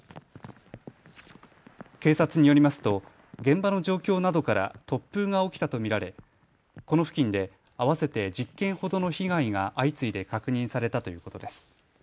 警察によりますと現場の状況などから突風が起きたと見られこの付近で合わせて１０件ほどの被害が相次いで確認されたということです。